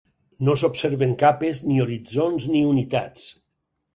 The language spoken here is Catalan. No s'observen capes ni horitzons ni unitats.